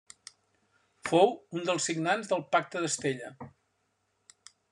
Fou un dels signants del Pacte d'Estella.